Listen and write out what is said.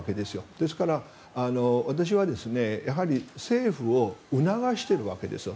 ですから私は、やはり政府を促しているわけですよ。